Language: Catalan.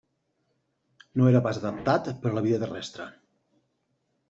No era pas adaptat per a la vida terrestre.